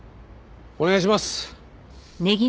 お願いします。